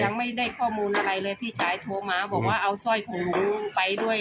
ยังไม่ได้ข้อมูลอะไรเลยพี่ชายโทรมาบอกว่าเอาสร้อยผมไปด้วย